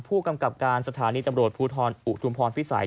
ผู้กำกับการสถานีตำรวจภูทรอุทุมพรพิสัย